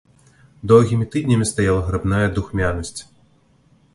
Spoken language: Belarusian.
Доўгімі тыднямі стаяла грыбная духмянасць.